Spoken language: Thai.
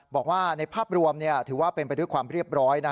บอกว่าในภาพรวมถือว่าเป็นไปด้วยความเรียบร้อย